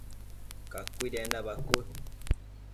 cacuidanenda bacuë